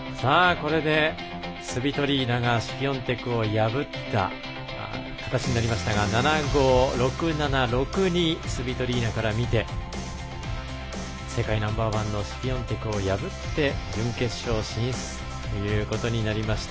これでスビトリーナがシフィオンテクを破った形になりましたが７−５、６−７、６−２スビトリーナから見て世界ナンバー１のシフィオンテクを破って準決勝進出となりました。